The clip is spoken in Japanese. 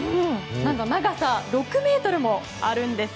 なんと長さ６ｍもあるんですよ。